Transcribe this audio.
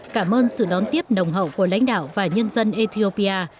cảm ơn sự đón tiếp nồng hậu của lãnh đạo và nhân dân ethiopia